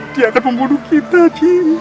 dia akan membunuh kita ji